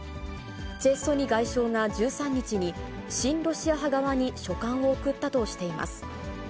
チェ・ソニ外相が１３日に、親ロシア派側に書簡を送ったとしています。